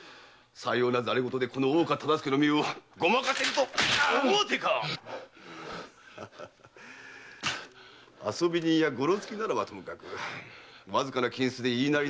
さような戯れ言でこの大岡の目をごまかせると思うてか⁉遊び人やごろつきならばともかくわずかな金子で言いなりになる貴公